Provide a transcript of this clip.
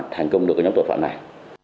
thành công được nhóm tội phạm này